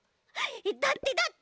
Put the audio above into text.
だってだって。